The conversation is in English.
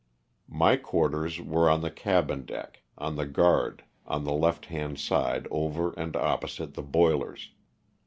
My quarters were on the cabin deck on the guard on the left hand side over and opposite the boilers.